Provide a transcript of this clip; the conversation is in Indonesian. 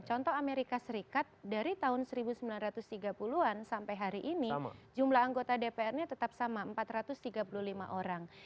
contoh amerika serikat dari tahun seribu sembilan ratus tiga puluh an sampai hari ini jumlah anggota dpr nya tetap sama empat ratus tiga puluh lima orang